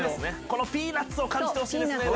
このピーナツをかじってほしいですね。